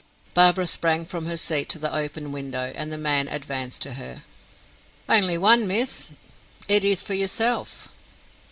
Barbara sprang from her seat to the open window, and the man advanced to her. "Only one miss. It is for yourself."